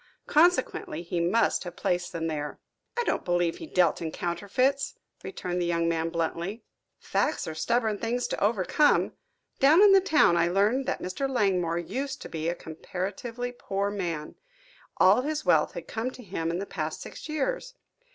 Consequently he must have placed them there." "I don't believe he dealt in counterfeits," returned the young man bluntly. "Facts are stubborn things to overcome. Down in the town I learned that Mr. Langmore used to be a comparatively poor man. All his wealth has come to him in the past six years."